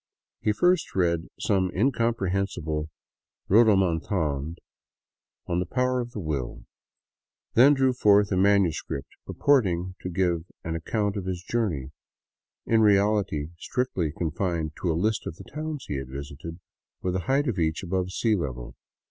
He read first some incomprehensible rodomontade on the power of the will, then drew forth a manuscript purporting to give an account of his journey, in reality strictly confined to a list of the towns he had visited, with the height of each above sea level.